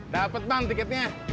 dapet bang tiketnya